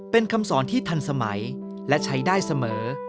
เป็นคำสอนที่ทันสมัยและใช้ได้เสมอ